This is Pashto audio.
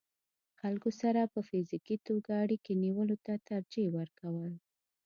خلکو سره په فزيکي توګه اړيکې نيولو ته ترجيح ورکول